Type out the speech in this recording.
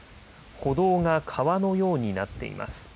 歩道が川のようになっています。